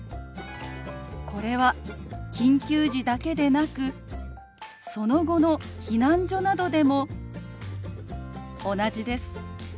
これは緊急時だけでなくその後の避難所などでも同じです。